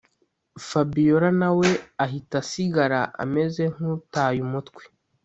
fabiora nawe ahita asigara ameze nkutaye umutwe